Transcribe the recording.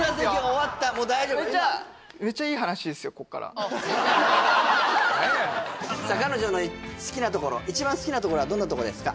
もうさあ彼女の好きなところ一番好きなところはどんなとこですか？